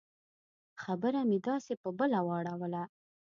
خبره مې داسې په بله واړوله.